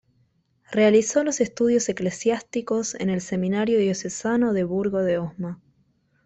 Realizó los estudios eclesiásticos en el Seminario diocesano de Burgo de Osma.